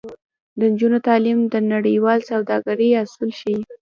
د نجونو تعلیم د نړیوال سوداګرۍ اصول ښيي.